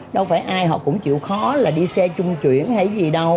đâu phải ai họ cũng chịu khó là đi xe trung chuyển hay gì đâu